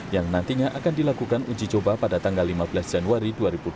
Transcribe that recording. yang nantinya akan dilakukan uji coba pada tanggal lima belas januari dua ribu dua puluh